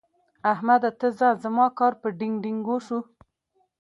احمده! ته ځه؛ زما کار په ډينګ ډينګو شو.